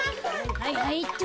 はいはいっと。